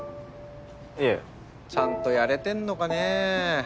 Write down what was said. いえちゃんとやれてんのかね